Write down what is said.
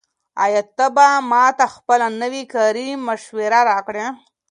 آیا ته به ماته خپله نوې کاري شمېره راکړې؟